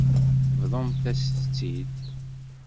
Bḍumt-as-tt-id.